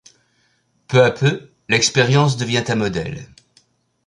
Peu à peu, l'expérience devient un modèle.